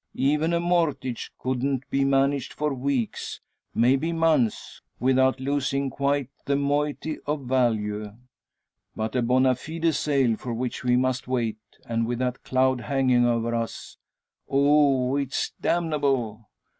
Even a mortgage couldn't be managed for weeks may be months without losing quite the moiety of value. But a bona fide sale, for which we must wait, and with that cloud hanging over us! Oh! it's damnable.